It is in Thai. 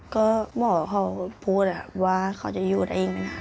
ก็บอกว่าเขาพูดว่าเขาจะยืนอีกไม่นาน